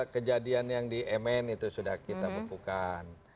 dua ribu sembilan belas kejadian yang di mn itu sudah kita bukukan